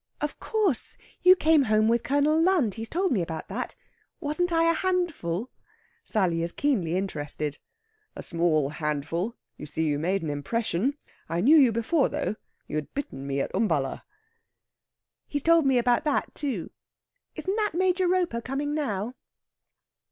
"Of course. You came home with Colonel Lund; he's told me about that. Wasn't I a handful?" Sally is keenly interested. "A small handful. You see, you made an impression. I knew you before, though. You had bitten me at Umballa." "He's told me about that, too. Isn't that Major Roper coming now?"